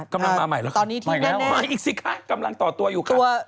กำลังมาใหม่แล้วมาอีกสิคะกำลังต่อตัวอยู่ค่ะ